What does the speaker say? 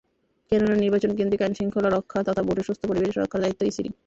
কেননা, নির্বাচনকেন্দ্রিক আইনশৃঙ্খলা রক্ষা, তথা ভোটের সুষ্ঠু পরিবেশ রক্ষার দায়িত্ব ইসিরই।